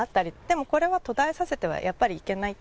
でもこれは途絶えさせてはやっぱりいけない。